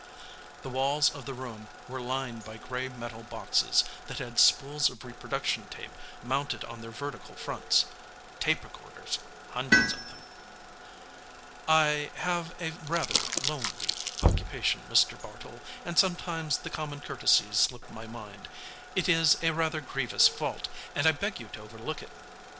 The walls of the room were lined by gray metal boxes that had spools of reproduction tape mounted on their vertical fronts tape recorders, hundreds of them. "I have a rather lonely occupation, Mr. Bartle, and sometimes the common courtesies slip my mind. It is a rather grievous fault and I beg you to overlook it.